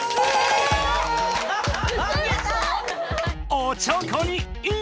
おちょこにイン！